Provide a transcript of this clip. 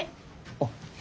あっ。